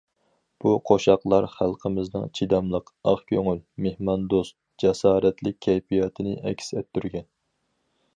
بۇ قوشاقلار خەلقىمىزنىڭ چىداملىق، ئاق كۆڭۈل، مېھماندوست، جاسارەتلىك كەيپىياتىنى ئەكس ئەتتۈرگەن.